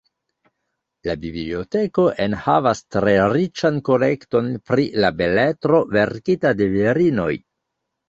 La biblioteko enhavas tre riĉan kolekton pri la beletro verkita de virinoj.